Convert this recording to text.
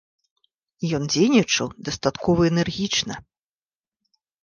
Ён дзейнічаў дастаткова энергічна.